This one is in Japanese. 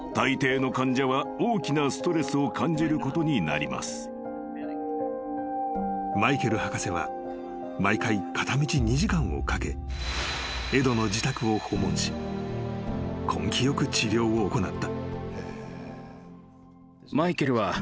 ［しかし］［マイケル博士は毎回片道２時間をかけエドの自宅を訪問し根気よく治療を行った］